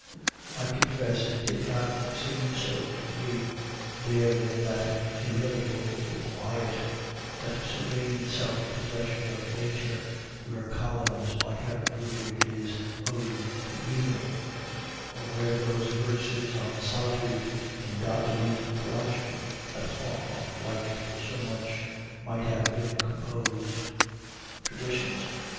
I confess, it did not seem so to me there in that illimitable quiet, that serene self possession of nature, where Collins might have brooded his "Ode to Evening," or where those verses on Solitude in Dodsley's Collection, that Hawthorne liked so much, might have been composed. Traditions?